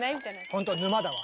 ほんと沼だわ。